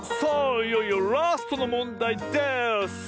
いよいよラストのもんだいです！